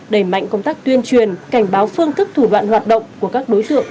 đẩy mạnh công tác tuyên truyền cảnh báo phương thức thủ đoạn hoạt động của các đối tượng